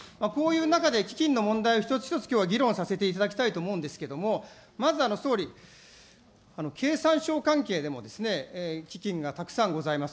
こういう中で基金の問題を一つ一つきょうは議論させていただきたいと思うんですけど、まず総理、経産省関係でも基金がたくさんございます。